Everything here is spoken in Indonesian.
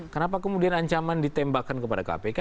kenapa kemudian ancaman ditembakkan kepada kpk